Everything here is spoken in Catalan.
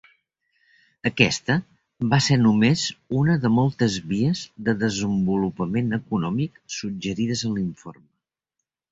Aquesta va ser només una de moltes vies de desenvolupament econòmic suggerides en l'informe.